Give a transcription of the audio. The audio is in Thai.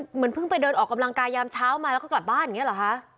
เหมือนเพิ่งไปเดินออกกำลังกายยามเช้ามาแล้วก็กลับบ้านอย่างนี้เหรอคะ